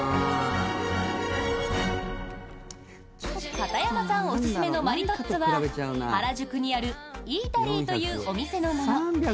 片山さんおすすめのマリトッツォは原宿にあるイータリーというお店のもの。